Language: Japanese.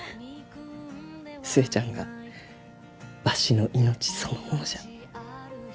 寿恵ちゃんがわしの命そのものじゃ。